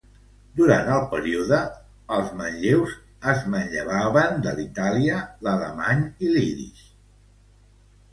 Durant el període, els manlleus es manllevaven de l'italià, l'alemany i l'ídix.